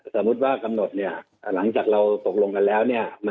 แต่ว่ากำหนดเนี่ยหลังจากเราปกติลงแล้วเนี่ย